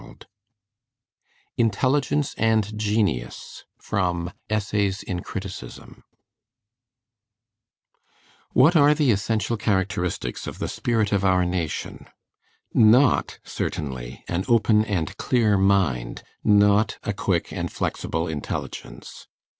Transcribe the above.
Woodberry] INTELLIGENCE AND GENIUS From 'Essays in Criticism' What are the essential characteristics of the spirit of our nation? Not, certainly, an open and clear mind, not a quick and flexible intelligence.